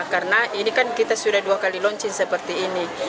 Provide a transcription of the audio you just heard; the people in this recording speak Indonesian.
karena ini kan kita sudah dua kali launching seperti ini